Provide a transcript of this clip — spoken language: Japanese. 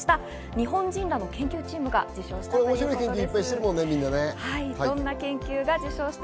日本人らの研究チームが受賞しました。